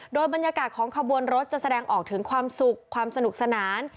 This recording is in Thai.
โดยบรรยากาศของขบวนรถจะแสดงออกถึงความสุขความสนุกสนาน